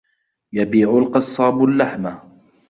يَبِيعُ الْقَصّابُ اللَّحْمَ.